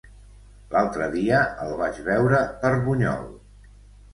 L'altre dia el vaig veure per Bunyol.